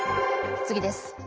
次です。